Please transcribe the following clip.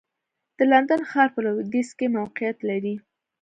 د لندن ښار په لوېدیځ کې موقعیت لري.